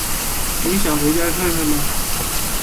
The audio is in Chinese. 你想回家看看吗？